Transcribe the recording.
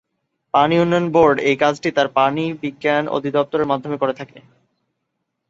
পানি উন্নয়ন বোর্ড এই কাজটি তার পানি বিজ্ঞান অধিদপ্তরের মাধ্যমে করে থাকে।